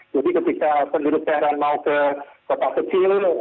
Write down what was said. jadi ketika penduduk peran mau ke kota kecil